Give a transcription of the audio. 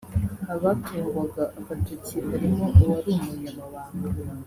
Abatungwaga agatoki harimo uwari Umunyamabanga